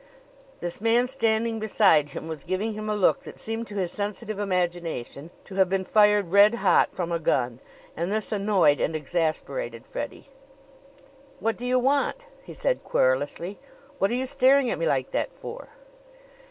This man standing beside him was giving him a look that seemed to his sensitive imagination to have been fired red hot from a gun; and this annoyed and exasperated Freddie. "What do you want?" he said querulously. "What are you staring at me like that for?"